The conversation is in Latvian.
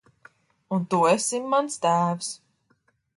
Un tu esi mans tēvs.